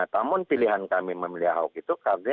namun pilihan kami memilih ahok itu